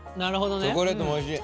チョコレートもおいしい。